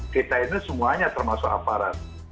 kita ini semuanya termasuk aparat